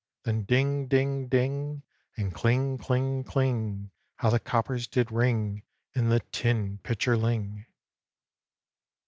Then ding! ding! ding! And kling! kling! kling! How the coppers did ring In the tin pitcherling!